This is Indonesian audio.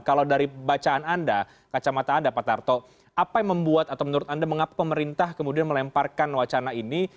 kalau dari bacaan anda kacamata anda pak tarto apa yang membuat atau menurut anda mengapa pemerintah kemudian melemparkan wacana ini